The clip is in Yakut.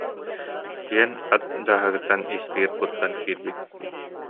диэн ат дьааһыгыттан испиир куттан киирбит